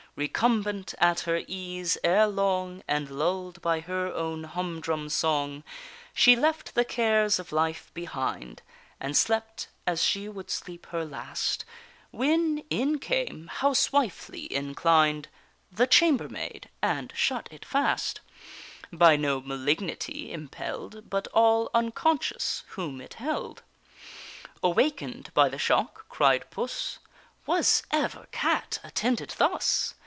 Recumbent at her ease, ere long, And lull'd by her own humdrum song, She left the cares of life behind, And slept as she would sleep her last, When in came, housewifely inclined, The chambermaid, and shut it fast; By no malignity impell'd, But all unconscious whom it held. Awaken'd by the shock (cried Puss) "Was ever cat attended thus?